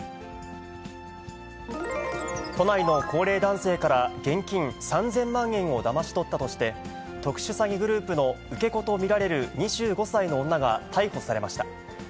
都内の高齢男性から、現金３０００万円をだまし取ったとして、特殊詐欺グループの受け子と見られる２５歳の女が逮捕されました。